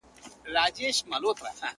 مځکه وايي په تا کي چي گناه نه وي مه بېرېږه.